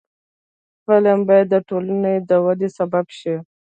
فلم باید د ټولنې د ودې سبب شي